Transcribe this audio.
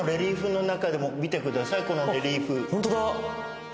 ホントだ。